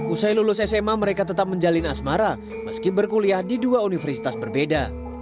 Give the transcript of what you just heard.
usai lulus sma mereka tetap menjalin asmara meski berkuliah di dua universitas berbeda